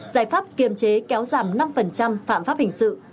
giải pháp kiềm chế kéo giảm năm phạm pháp hình sự